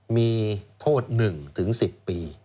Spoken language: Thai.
มีโทษ๑ถึง๑๐ปี